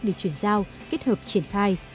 để chuyển giao kết hợp triển khai